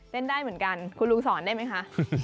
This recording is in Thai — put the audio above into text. ได้เหมือนกันคุณลุงสอนได้ไหมคะ